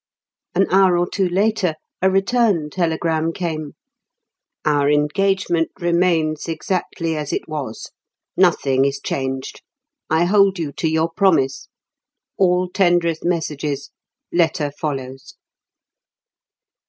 An hour or two later, a return telegram came: "Our engagement remains exactly as it was. Nothing is changed. I hold you to your promise. All tenderest messages. Letter follows."